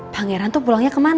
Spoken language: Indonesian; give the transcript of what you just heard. pangeran tuh pulangnya kemana